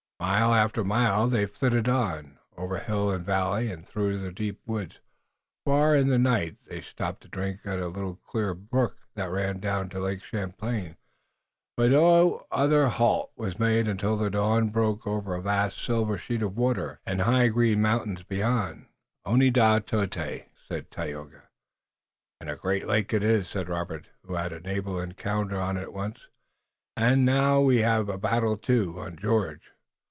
Mile after mile they flitted on, over hill and valley and through the deep woods. Far in the night they stopped to drink at a clear little brook that ran down to Lake Champlain, but no other halt was made until the dawn broke over a vast silver sheet of water, and high green mountains beyond. "Oneadatote," said Tayoga. "And a great lake it is," said Robert. "We had a naval encounter on it once, and now we've had a battle, too, on George."